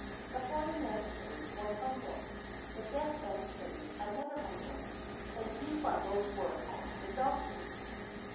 The Blind Man carried one bundle, the Deaf Man carried another bundle, and two bundles were on the Donkey.